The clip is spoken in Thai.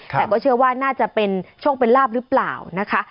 แต่ก็เชื่อว่าน่าจะเป็นโชคเป็นลาบหรือเปล่านะคะ